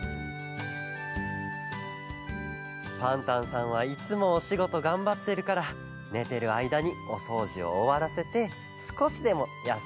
パンタンさんはいつもおしごとがんばってるからねてるあいだにおそうじをおわらせてすこしでもやすんでもらおうって。